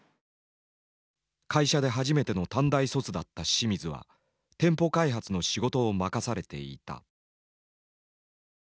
会社で初めての短大卒だった清水は店舗開発の仕事を任されていた。